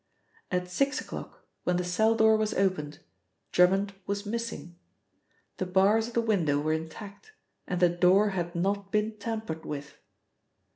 At six o'clock when the cell door was opened, Drummond was missing. The bars of the window were intact, and the door had not been tampered with.